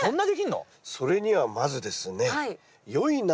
それにはまずですね